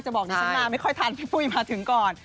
บอกดิฉันมาไม่ค่อยทันพี่ปุ้ยมาถึงก่อน